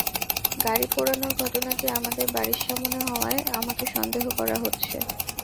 গাড়ি পোড়ানোর ঘটনাটি আমাদের বাড়ির সামনে হওয়ায় আমাকে সন্দেহ করা হচ্ছে।